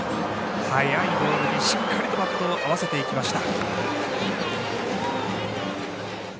速いボールにしっかりとバットを合わせていきました。